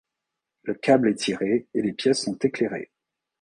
le câble est tiré et les pièces sont éclairées